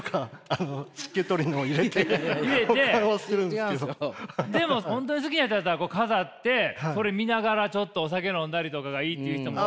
一応でも本当に好きやったら飾ってそれ見ながらちょっとお酒飲んだりとかがいいっていう人も。